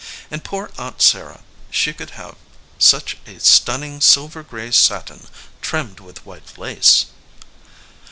And poor Aunt Sarah, she could have such a. stunning silver gray satin trimmed \vith white lace."